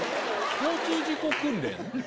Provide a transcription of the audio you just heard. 交通事故訓練？